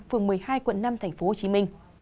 phường một mươi hai quận năm tp hcm